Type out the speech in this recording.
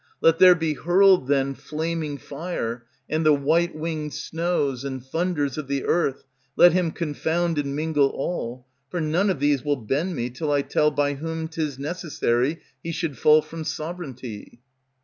Let there be hurled, then, flaming fire, And the white winged snows, and thunders Of the earth, let him confound and mingle all. For none of these will bend me till I tell By whom 't is necessary he should fall from sovereignty.